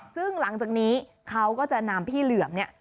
ซึ่งหลังจากนี้เขาก็จะนำพี่เหลือมเนี่ย